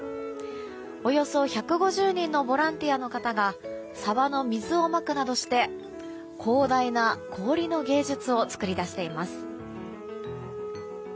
およそ１５０人のボランティアの方が沢の水をまくなどして広大な氷の芸術を作り出しています。